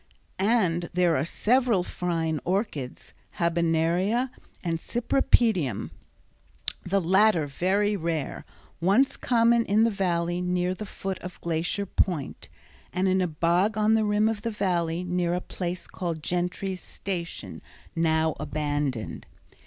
And there are several fine orchids, habenaria, and cypripedium, the latter very rare, once common in the Valley near the foot of Glacier Point, and in a bog on the rim of the Valley near a place called Gentry's Station, now abandoned.